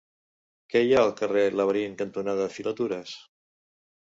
Què hi ha al carrer Laberint cantonada Filatures?